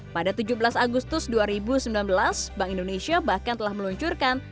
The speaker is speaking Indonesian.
pada tujuh belas agustus dua ribu sembilan belas bank indonesia bahkan telah meluncurkan